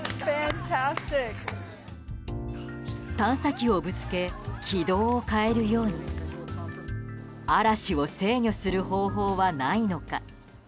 探査機をぶつけ軌道を変えるように嵐を制御する方法はないのか。